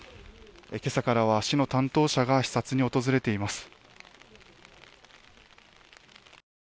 今朝からは、市の担当者が視察に訪れています。